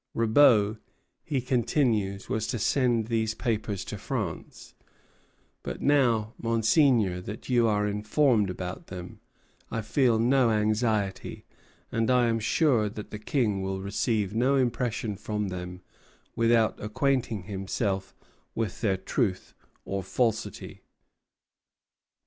Roubaud, he continues, was to send these papers to France; "but now, Monseigneur, that you are informed about them, I feel no anxiety, and I am sure that the King will receive no impression from them without acquainting himself with their truth or falsity."